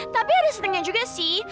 tapi ada setengahnya juga sih